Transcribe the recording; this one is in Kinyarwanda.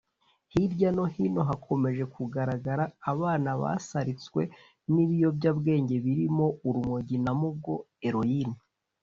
Hirya no hino hakomeje kugaragara abana basaritswe n’ibiyobyabwenge birimo urumogi na Mugo (Heroin)